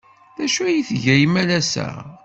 D acu ay tga imalas-a?